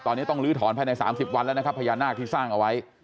ตอนนี้ต้องลื้อถอนภายใน๓๐วันแล้วนะครับพญานาคที่สร้างเอาไว้